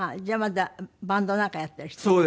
じゃあまだバンドなんかやったりして？